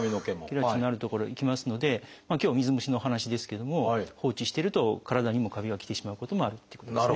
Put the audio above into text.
ケラチンのある所へ行きますので今日は水虫のお話ですけども放置してると体にもカビが来てしまうこともあるっていうことですね。